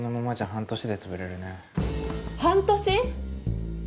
半年？